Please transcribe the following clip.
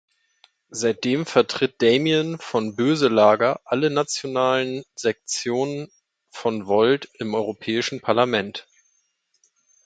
Seitdem vertritt Damian von Boeselager alle nationalen Sektionen von Volt im Europäischen Parlament.